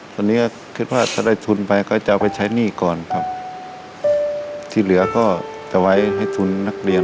ตอนนี้ก็คิดว่าถ้าได้ทุนไปก็จะเอาไปใช้หนี้ก่อนครับที่เหลือก็จะไว้ให้ทุนนักเรียน